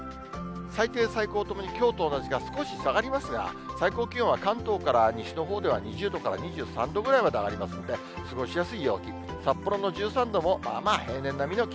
最低、最高ともにきょうと同じか少し下がりますが、最高気温は関東から西のほうでは２０度から２３度ぐらいまで上がりますので、過ごしやすい陽気。